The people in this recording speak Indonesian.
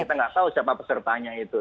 kita nggak tahu siapa pesertanya itu